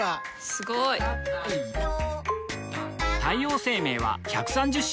すごい！太陽生命は１３０周年